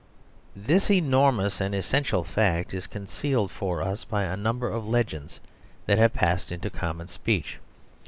This enormous and essential fact is concealed for us by a number of legends that have passed into common speech.